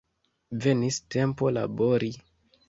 Venis tempo labori.